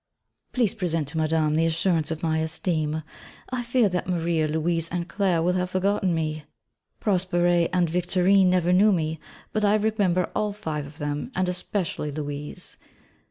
Please present to Madame the assurance of my esteem. I fear that Maria, Louise and Claire will have forgotten me. Prospère and Victorine never knew me, but I remember all five of them, and especially Louise.